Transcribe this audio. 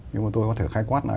nhưng mà tôi có thể khai quát là